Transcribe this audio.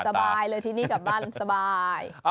สบายเลยที่นี่กลับบ้านสบาย